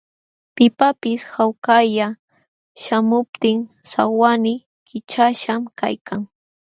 Pipaqpis hawkalla śhamuptin sawannii kićhaśhqam kaykan.